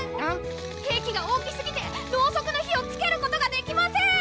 ケーキが大きすぎてろうそくの火をつけることができません！